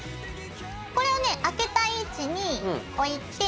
これをね開けたい位置に置いて。